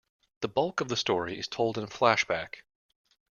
The bulk of the story is told in flashback.